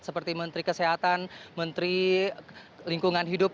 seperti menteri kesehatan menteri lingkungan hidup